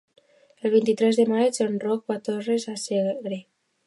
El vint-i-tres de maig en Roc va a Torres de Segre.